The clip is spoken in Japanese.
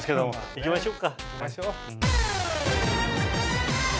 行きましょう。